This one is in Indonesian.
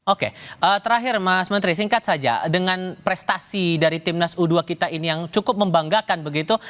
oke terakhir mas menteri singkat saja dengan prestasi dari timnas u dua kita ini yang cukup membanggakan begitu